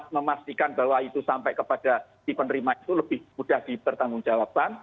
memastikan bahwa itu sampai kepada si penerima itu lebih mudah dipertanggungjawabkan